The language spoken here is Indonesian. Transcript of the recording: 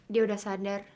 dia sudah sadar